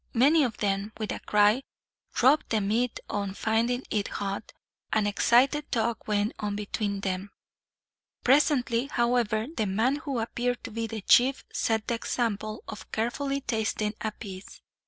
Many of them, with a cry, dropped the meat on finding it hot; and an excited talk went on between them. Presently, however, the man who appeared to be the chief set the example of carefully tasting a piece.